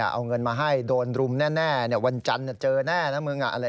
เอาเงินมาให้โดนรุมแน่วันจันทร์เจอแน่นะมึงอะไร